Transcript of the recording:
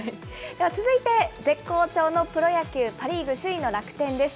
では続いて絶好調のプロ野球、パ・リーグ首位の楽天です。